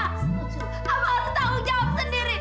aku harus tahu jawab sendiri